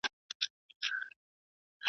نور زلمي به وي راغلي د زاړه ساقي تر کلي .